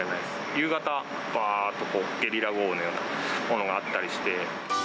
夕方、ばーっと、ゲリラ豪雨のようなものがあったりして。